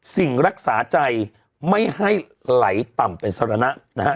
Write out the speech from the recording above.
สิ่งรักษาใจไม่ให้ไหลต่ำเป็นสรณะนะฮะ